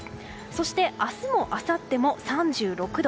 そして、明日もあさっても３６度。